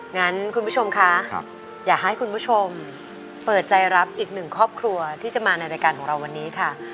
งั้นคุณผู้ชมคะอยากให้คุณผู้ชมเปิดใจรับอีกหนึ่งครอบครัวที่จะมาในรายการของเราวันนี้ค่ะ